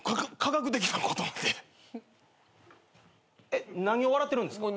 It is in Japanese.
えっ何を笑ってるんですか？